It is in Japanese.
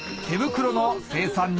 手袋の生産